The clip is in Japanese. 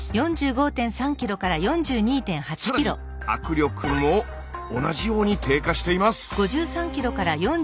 更に握力も同じように低下しています。